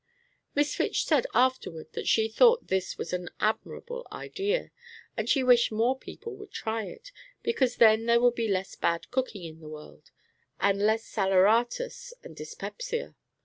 Miss Fitch said afterward that she thought this was an admirable idea, and she wished more people would try it, because then there would be less bad cooking in the world, and less saleratus and dyspepsia.